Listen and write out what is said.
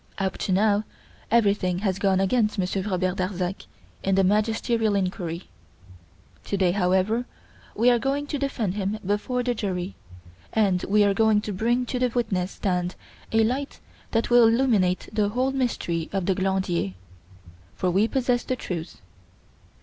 Up to now everything has gone against Monsieur Robert Darzac in the magisterial inquiry. To day, however, we are going to defend him before the jury, and we are going to bring to the witness stand a light that will illumine the whole mystery of the Glandier. For we possess the truth.